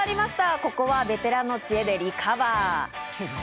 ここはベテランの知恵でリカバー。